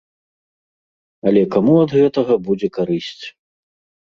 Але каму ад гэтага будзе карысць?